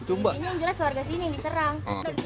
ini yang jelas warga sini yang diserang